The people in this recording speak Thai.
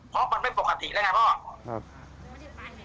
เพราะมันไม่ปกติแล้วไงพ่อครับ